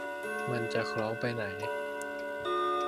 มันจะคล้องไปไหน